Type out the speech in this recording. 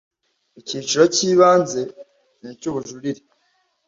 Icyiciro cy ibanze n icy ubujurire